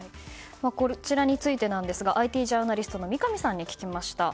こちらについてですがＩＴジャーナリストの三上さんに聞きました。